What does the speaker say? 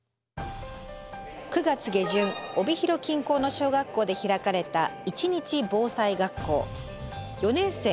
９月下旬帯広近郊の小学校で開かれた４年生